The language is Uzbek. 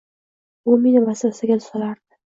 U meni vasvasaga solardi.